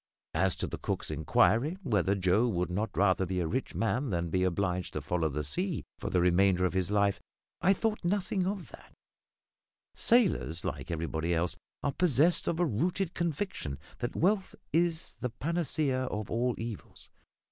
As to the cook's inquiry whether Joe would not rather be a rich man than be obliged to follow the sea for the remainder of his life, I thought nothing of that; sailors like everybody else are possessed of a rooted conviction that wealth is the panacea of all evils.